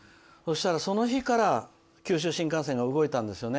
その日から、九州新幹線が動いたんですよね。